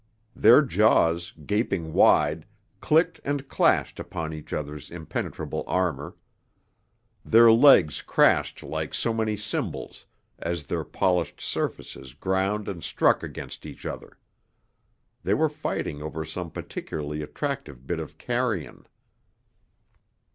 Their jaws, gaping wide, clicked and clashed upon each other's impenetrable armor. Their legs crashed like so many cymbals as their polished surfaces ground and struck against each other. They were fighting over some particularly attractive bit of carrion.